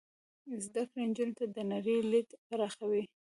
زده کړه نجونو ته د نړۍ لید پراخوي.